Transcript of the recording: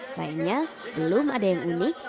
sayangnya belum ada yang unik